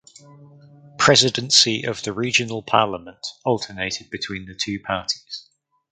Presidency of the regional parliament alternated between the two parties.